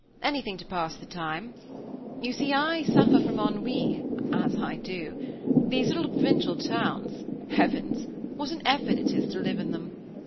Anything to pass the time. You, I see, suffer from ennui, as I do. These little provincial towns! Heavens! what an effort it is to live in them!